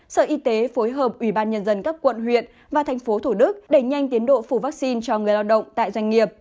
sở y tế phối hợp ủy ban nhân dân các quận huyện và tp thd đẩy nhanh tiến độ phủ vaccine cho người lao động tại doanh nghiệp